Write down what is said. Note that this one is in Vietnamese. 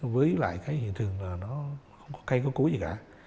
với lại cái hiện trường là nó không có cây có cúi gì cả